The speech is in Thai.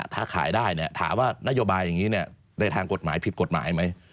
ถ้าขายได้เนี่ยถามว่านโยบายอย่างนี้ในทางกฎหมายผิดกฎหมายไหม